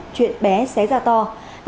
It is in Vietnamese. chuyện tình hình của các đối tượng